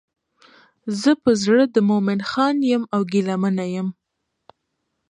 زه په زړه د مومن خان یم او ګیله منه یم.